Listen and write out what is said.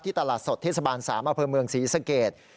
ตลาดสดเทศบาล๓อำเภอเมืองศรีสเกต